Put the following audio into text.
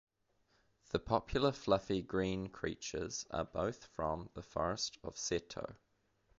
The popular fluffy green creatures are both from the forest of Seto.